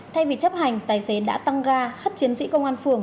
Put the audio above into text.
thay vì chấp hành tài xế đã tăng ga hất chiến sĩ công an phường